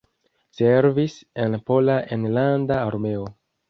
Servis en Pola Enlanda Armeo.